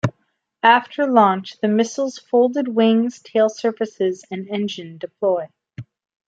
After launch, the missile's folded wings, tail surfaces and engine deploy.